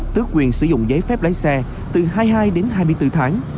tước quyền sử dụng giấy phép lái xe từ hai mươi hai đến hai mươi bốn tháng